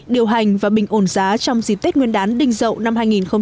điều hành và bình ổn giá trong dịp tết nguyên đán đinh dậu năm hai nghìn một mươi bảy